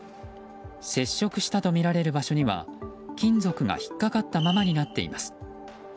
接触したとみられる場所には金属が引っかかったままになっています。